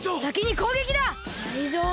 タイゾウ！